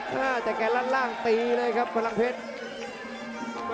น่าจะแกล้งล่างตีเลยครับพลังเพชร